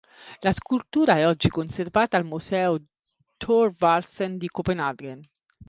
La scultura è oggi conservata al Museo Thorvaldsen di Copenaghen.